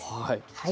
はい。